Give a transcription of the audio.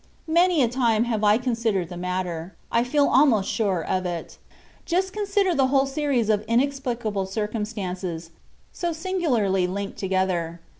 Many a time have I considered the matter; I feel almost sure of it. Just consider the whole series of inexplicable circumstances, so singularly linked together.